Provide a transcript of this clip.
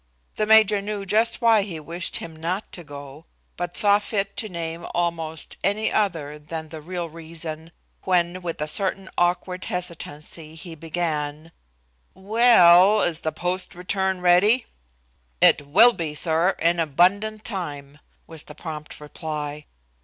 The major knew just why he wished him not to go, but saw fit to name almost any other than the real reason when, with a certain awkward hesitancy he began: "W ell, is the post return ready?" "It will be, sir, in abundant time," was the prompt reply.